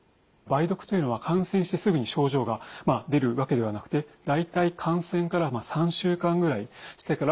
梅毒というのは感染してすぐに症状が出るわけではなくて大体感染から３週間ぐらいしてから症状が出てくる。